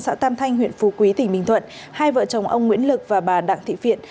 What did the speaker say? xã tam thanh huyện phú quý tỉnh bình thuận hai vợ chồng ông nguyễn lực và bà đặng thị phiện